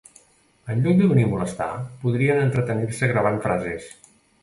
Enlloc de venir a molestar, podrien entretenir-se gravant frases.